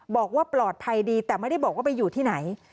บอกว่าปลอดภัยดีแต่ไม่ได้บอกว่าไปอยู่ที่ไหน